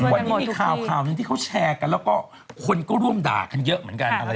วันนี้มีข่าวข่าวหนึ่งที่เขาแชร์กันแล้วก็คนก็ร่วมด่ากันเยอะเหมือนกัน